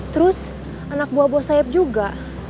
terus anak buah bos saeb juga